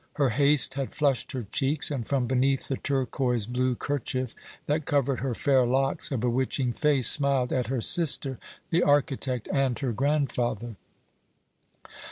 Her haste had flushed her cheeks, and from beneath the turquoise blue kerchief that covered her fair locks a bewitching face smiled at her sister, the architect, and her grandfather.